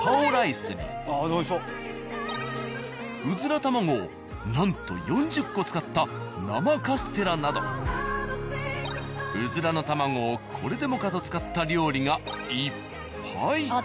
うずら卵をなんと４０個使った生カステラなどうずらの卵をこれでもかと使った料理がいっぱい。